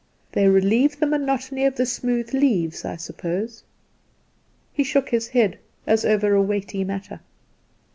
"They relieve the monotony of the smooth leaves, I suppose." He shook his head as over a weighty matter.